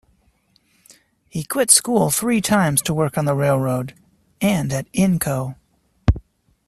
He quit school three times to work on the railroad, and at Inco.